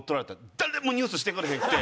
誰もニュースにしてくれへんくて。